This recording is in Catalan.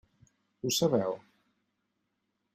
Ho sabeu?